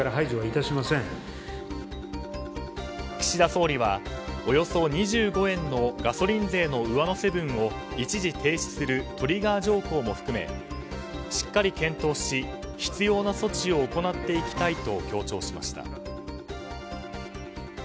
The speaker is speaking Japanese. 岸田総理は、およそ２５円のガソリン税の上乗せ分を一時停止するトリガー条項も含めしっかり検討し必要な措置を行っていきたいと強調しました。